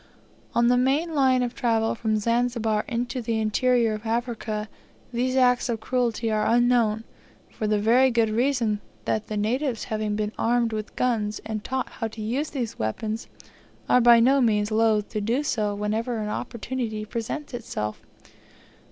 On the main line of travel from Zanzibar into the interior of Africa these acts of cruelty are unknown, for the very good reason that the natives having been armed with guns, and taught how to use those weapons, are by no means loth to do so whenever an opportunity presents itself.